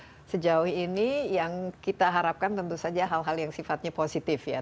nah sejauh ini yang kita harapkan tentu saja hal hal yang sifatnya positif ya